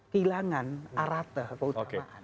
hilangan arata keutamaan